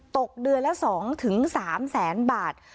ตกเดือนละ๒๓แสนบาท